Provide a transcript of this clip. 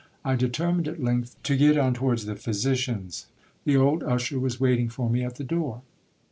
I determined, at length, to get on to wards the physician's. The old usher was waiting for me at the door.